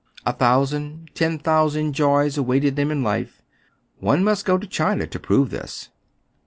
A thousand, ten thousand joys await them in life. One must go to China to prove this.